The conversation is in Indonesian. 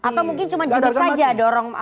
atau mungkin cuma judul saja dorong